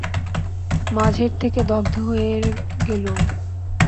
মাঝের থেকে দগ্ধ হয়ে গেলুম।